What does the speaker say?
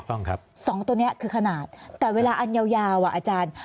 ต้องครับสองตัวนี้คือขนาดแต่เวลาอันยาวอ่ะอาจารย์